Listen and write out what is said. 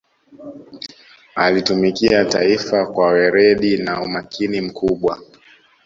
alitumikia taifa kwa weredi na umakini mkubwa